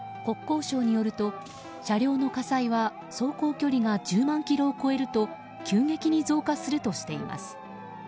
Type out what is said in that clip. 国交省によると、車両の火災は走行距離が１０万ｋｍを超えると急激に増加するとしています。